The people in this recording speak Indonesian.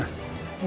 dia mau dimana